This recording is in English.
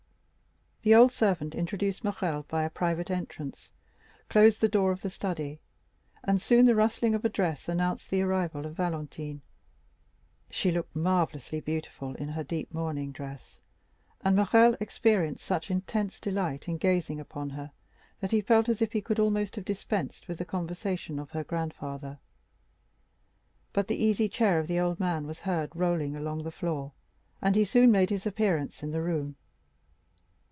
The old servant introduced Morrel by a private entrance, closed the door of the study, and soon the rustling of a dress announced the arrival of Valentine. She looked marvellously beautiful in her deep mourning dress, and Morrel experienced such intense delight in gazing upon her that he felt as if he could almost have dispensed with the conversation of her grandfather. But the easy chair of the old man was heard rolling along the floor, and he soon made his appearance in the room.